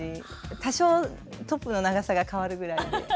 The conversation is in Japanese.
多少トップの長さが変わるぐらいで。